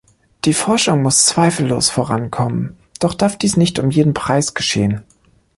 Die Forschung muss zweifellos vorankommen, doch darf dies nicht um jeden Preis geschehen.